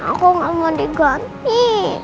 aku nggak mau diganti